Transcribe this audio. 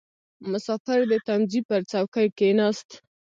• مسافر د تمځي پر څوکۍ کښېناست.